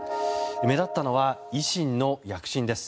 目立ったのは維新の躍進です。